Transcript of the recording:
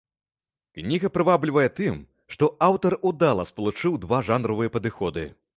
Кніга прываблівае тым, што аўтар удала спалучыў два жанравыя падыходы.